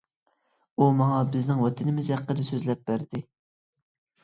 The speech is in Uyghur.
ئۇ ماڭا بىزنىڭ ۋەتىنىمىز ھەققىدە سۆزلەپ بەردى.